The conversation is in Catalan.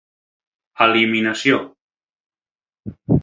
Eliminació: